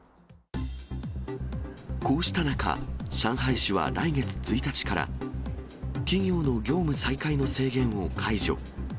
こうした中、上海市は来月１日から企業の業務再開の制限を解除。